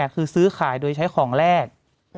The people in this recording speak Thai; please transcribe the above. คือซื้อขายโดยใช้ของแรก